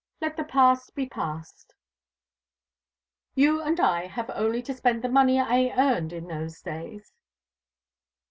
Let the past be past. You and I have only to spend the money I earned in those days."